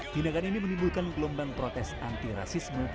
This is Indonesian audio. tindakan ini menimbulkan gelombang protes anti rasisme